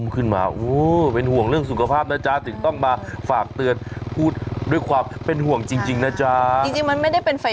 คือมันคือเค้าเรียกว่าอะไรรึอ่ะ